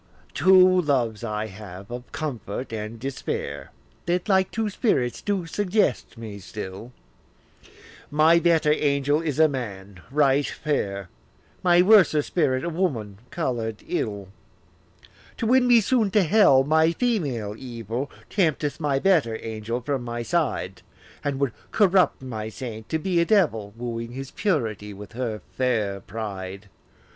Two loves I have, of comfort and despair, That like two spirits do suggest me still; My better angel is a man right fair, My worser spirit a woman colour'd ill. To win me soon to hell, my female evil Tempteth my better angel from my side, And would corrupt my saint to be a devil, Wooing his purity with her fair pride.